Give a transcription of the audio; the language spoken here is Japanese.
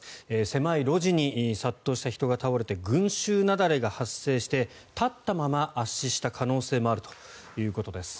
狭い路地に殺到した人が倒れて群衆雪崩が発生して立ったまま圧死した可能性もあるということです。